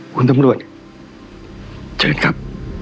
คุณตำรวจเชิญครับ